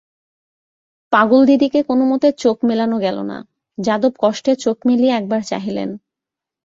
পাগলদিদিকে কোনোমতে চোখ মেলানো গেল না, যাদব কষ্টে চোখ মেলিয়া একবার চাহিলেন।